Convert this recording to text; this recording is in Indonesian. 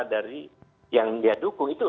dari yang dia dukung itu